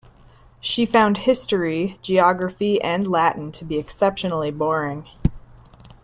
She found history, geography and Latin to be exceptionally boring.